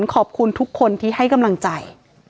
ขอบคุณทุกคนที่ให้กำลังใจ